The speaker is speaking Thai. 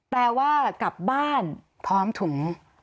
แปลว่ากลับบ้านพร้อมถุง